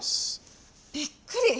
びっくり！